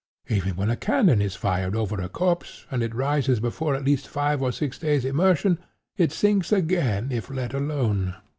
Even when a cannon is fired over a corpse, and it rises before at least five or six days' immersion, it sinks again if let alone.